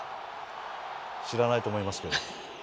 知らないと思いますけど。